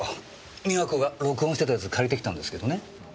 美和子が録音してたやつ借りてきたんですけどね。